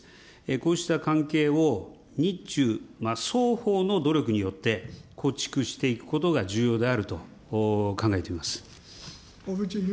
こうした関係を日中双方の努力によって、構築していくことが重要であると考えています。